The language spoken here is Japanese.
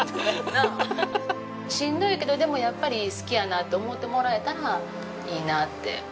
しんどいけどでもやっぱり好きやなって思ってもらえたらいいなって。